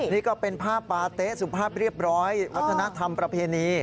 นี่ก็เป็นภาพปาเต๊ะสุภาพเรียบร้อยวัฒนธรรมประเพณี